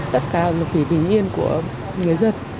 tất cả lực lượng bình yên của người dân